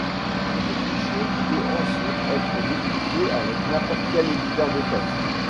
Ce fichier peut ensuite être modifié avec n'importe quel éditeur de texte.